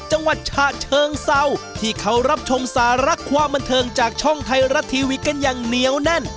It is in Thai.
จังหวัดฉะเชิงเซาที่เขารับชมสาระความบันเทิงจากช่องไทยรัฐทีวีกันอย่างเหนียวแน่น